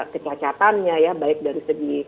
kecacatannya ya baik dari segi